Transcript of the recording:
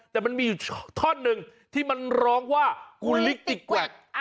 แต่มันมีทอดหนึ่งที่มันร้องว่ากุลลิกติกแกวะ